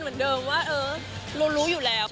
อย่างเดิมฉุกเข้ามนุคอยู่แล้ว